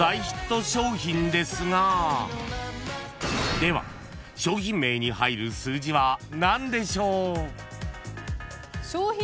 ［では商品名に入る数字は何でしょう？］